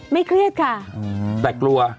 เครียดค่ะแต่กลัว